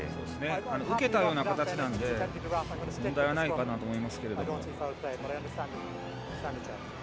受けたような形なので問題はないかなと思います。